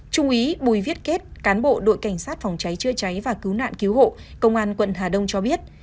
trung úy bùi viết kết cán bộ đội cảnh sát phòng cháy chữa cháy và cứu nạn cứu hộ công an quận hà đông cho biết